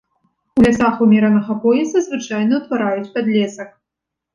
У лясах умеранага пояса звычайна ўтвараюць падлесак.